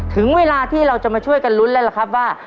ถึงเวลาที่เราจะมาช่วยกันลุ้นแล้วล่ะครับว่า